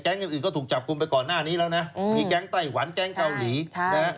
อื่นอื่นก็ถูกจับกลุ่มไปก่อนหน้านี้แล้วนะมีแก๊งไต้หวันแก๊งเกาหลีนะฮะ